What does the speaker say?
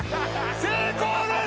成功です！